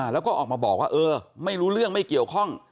แล้วก็ออกมาบอกว่าเออไม่รู้เรื่องไม่เกี่ยวข้อง